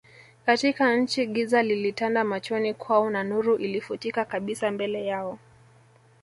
katika nchi Giza lilitanda machoni kwao na nuru ilifutika kabisa mbele yao